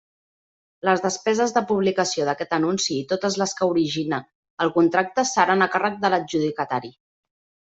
Les despeses de publicació d'aquest anunci i totes les que origine el contracte seran a càrrec de l'adjudicatari.